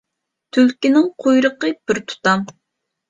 تۈلكىنىڭ قۇيرۇقى بىر تۇتام.